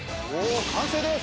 完成です。